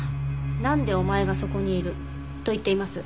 「なんでお前がそこにいる」と言っています。